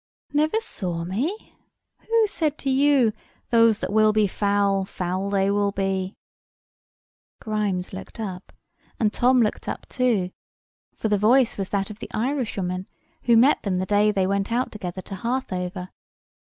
"Never saw me? Who said to you, Those that will be foul, foul they will be?" Grimes looked up; and Tom looked up too; for the voice was that of the Irishwoman who met them the day that they went out together to Harthover.